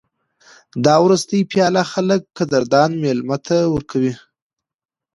دا وروستۍ پیاله خلک قدردان مېلمه ته ورکوي.